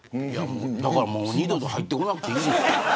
だからもう二度と入ってこなくていい。